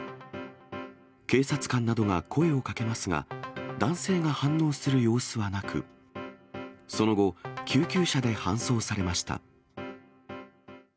警察官などが声をかけますが、男性が反応する様子はなく、その後、救急車で搬送されました。